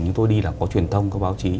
chúng tôi đi là có truyền thông có báo chí